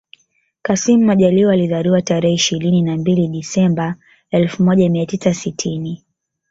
Kassim Majaliwa alizaliwa tarehe ishirini na mbili Disemba elfu moja mia tisa sitini